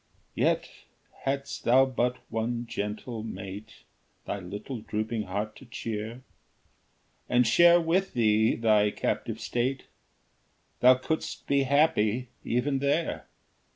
Yet, hadst thou but one gentle mate Thy little drooping heart to cheer, And share with thee thy captive state, Thou couldst be happy even there.